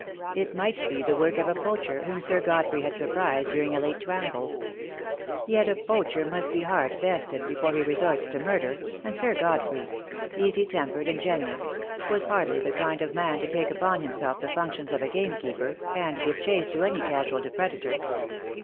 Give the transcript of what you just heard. It might be the work of a poacher whom Sir Godfrey had surprised during a late ramble. Yet a poacher must be hard bested before he resorts to murder, and Sir Godfrey — easy tempered and generous — was hardly the kind of man to take upon him self the functions of a gamekeeper, and give chase to any casual depredator.